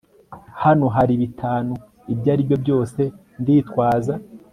Hano hari bitanu ibyo aribyo byose nditwaza